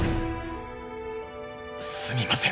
すみません。